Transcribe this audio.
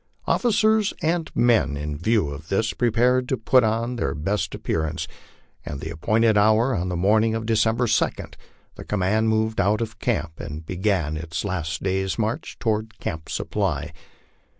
Officers and men, in view of this, prepared to put on their best ap pearance. At the appointed hour on the morning of December 2, the com mand moved out of camp and began its last day's march toward Camp Sup ply.